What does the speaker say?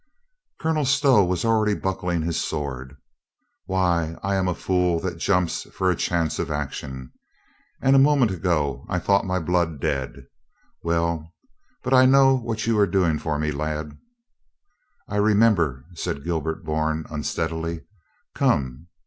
Colonel Stow was already buckling his sword. "Why, I am a fool that jumps for a chance of ac tion. And a moment ago I thought my blood dead ! Well. But I know what you are doing for me, lad." "I — remember," said Gilbert Bourne unsteadily. "Come."